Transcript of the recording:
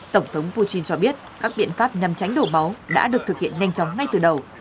tổng thống putin cho biết các biện pháp nhằm tránh đổ máu đã được thực hiện nhanh chóng ngay từ đầu